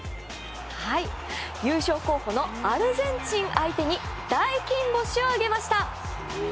優勝候補のアルゼンチン相手に大金星を挙げました。